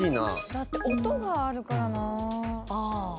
だって音があるからな。